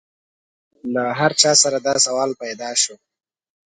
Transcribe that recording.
له هر چا سره دا سوال پیدا شو.